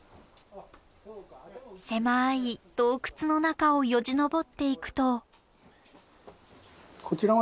狭い洞窟の中をよじ登っていくと。